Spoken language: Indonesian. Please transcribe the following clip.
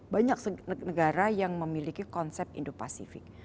banyak negara yang memiliki konsep indo pasifik